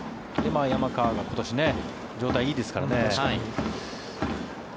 山川が今年、状態いいですからね。